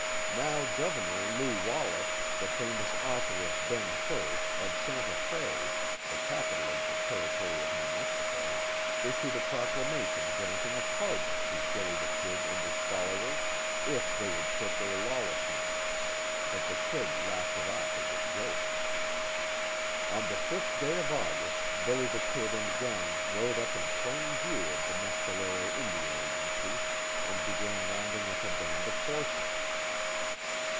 Now Governor Lew Wallace, the famous author of "Ben Hur," of Santa Fe, the capital of the Territory of New Mexico, issued a proclamation granting a pardon to "Billy the Kid" and his followers, if they would quit their lawlessness, but the "Kid" laughed it off as a joke. On the 5th day of August, "Billy the Kid" and gang rode up in plain view of the Mescalero Indian Agency and began rounding up a band of horses.